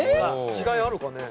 違いあるかね。